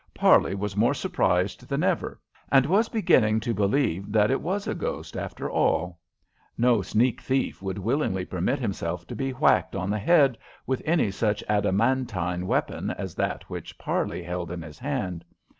Parley was more surprised than ever, and was beginning to believe that It was a ghost, after all. No sneak thief would willingly permit himself to be whacked on the head with any such adamantine weapon as that which Parley held in his hand.